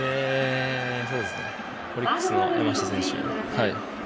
オリックスの山下選手。